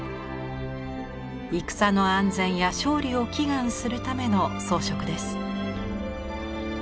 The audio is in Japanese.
戦の安全や勝利を祈願するための装飾です。